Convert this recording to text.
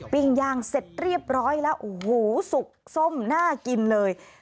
ย่างเสร็จเรียบร้อยแล้วโอ้โหสุกส้มน่ากินเลย